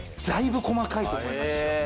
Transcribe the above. だいぶ細かいと思います。